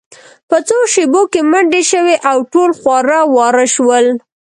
په څو شیبو کې منډې شوې او ټول خواره واره شول